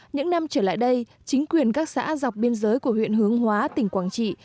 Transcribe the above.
những năm trở lại đây chính quyền các xã dọc biên giới của huyện hướng hóa tỉnh quảng trị